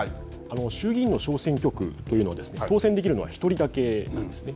衆議院の小選挙区というのは当選できるのは１人だけなんです。